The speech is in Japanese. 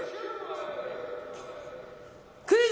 クイズ！